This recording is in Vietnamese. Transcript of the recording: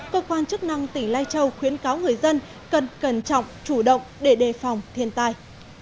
cơ quan chức năng tỉnh lai châu khuyến cáo người dân cần cẩn trọng chủ động để đề phòng thiên tai